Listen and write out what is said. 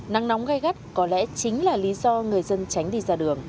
nắng nóng gai gắt có lẽ chính là lý do người dân tránh đi ra đường